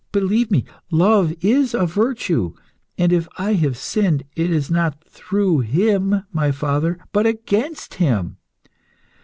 Believe me, Love is a virtue, and if I have sinned, it is not through him, my father, but against him.